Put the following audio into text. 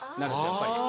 やっぱり。